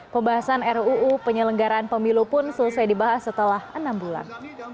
pembahasan ruu penyelenggaraan pemilu pun selesai dibahas setelah enam bulan